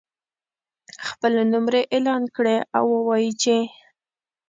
خپلې نمرې اعلان کړي او ووایي چې